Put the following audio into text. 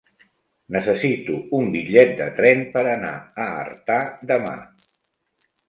Necessito un bitllet de tren per anar a Artà demà.